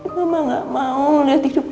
mama enggak mau lihat hidup kamu hancur nak